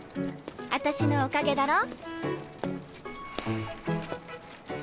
あたしのおかげだろ？